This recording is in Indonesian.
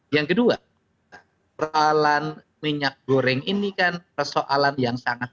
yang kedua persoalan minyak goreng ini kan persoalan yang sangat